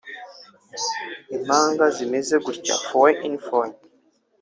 Impanga zimeze gutya «fœtus in fœtu»